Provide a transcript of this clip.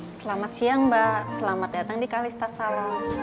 selamat siang mbak selamat datang di kalista salam